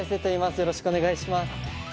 よろしくお願いします。